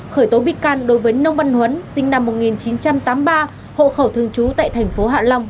khởi tố bị can đối với nông văn huấn sinh năm một nghìn chín trăm tám mươi ba hộ khẩu thường trú tại thành phố hạ long